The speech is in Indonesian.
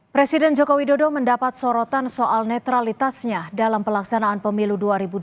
presiden joko widodo mendapat sorotan soal netralitasnya dalam pelaksanaan pemilu dua ribu dua puluh